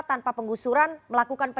tanpa pengusuran melakukan pergub